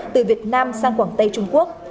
từ việt nam sang quảng tây trung quốc